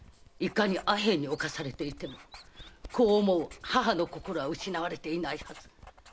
いかに阿片に冒されていても子を思う母の心は失われていないはず。